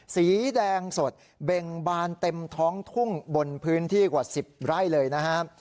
สีแดงสดเบ่งบานเต็มท้องทุ่งบนพื้นที่กว่า๑๐ไร่เลยนะครับ